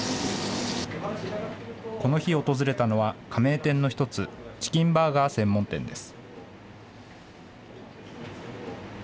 この日、訪れたのは加盟店の一つ、チキンバーガー専門店です。